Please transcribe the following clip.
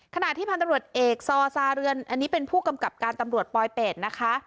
ขณะที่พันธุ์ตำรวจเอกซอซาเรือนอันนี้เป็นผู้กำกับการตำรวจปลอยเป็ดนะคะ